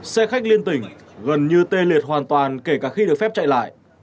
xe khách liên tỉnh gần như tê liệt hoàn toàn kể cả khi được phép chạy lại